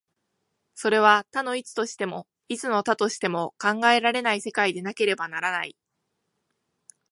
それは多の一としても、一の多としても考えられない世界でなければならない。